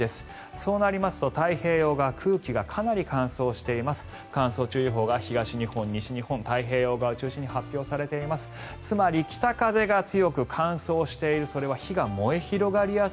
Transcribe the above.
そうなりますと太平洋側空気がかなり乾燥しています。